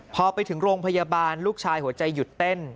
พอไปถึงโรงพยาบาลลูกชายหัวใจหยุดเต้น